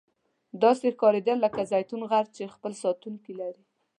داسې ښکاریدل لکه زیتون غر چې خپل ساتونکي لري.